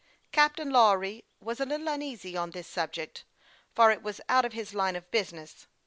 Captain Lawry was a little uneasy on this subject, for it was out of his line of business.